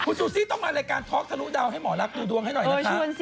ซูซี่ต้องมารายการท็อกทะลุดาวให้หมอรักดูดวงให้หน่อยนะคะ